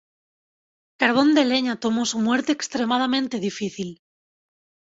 Carbón de leña tomó su "muerte" extremadamente difícil.